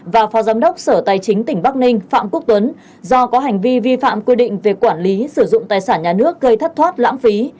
và phó giám đốc sở tài chính tỉnh bắc ninh phạm quốc tuấn do có hành vi vi phạm quy định về quản lý sử dụng tài sản nhà nước gây thất thoát lãng phí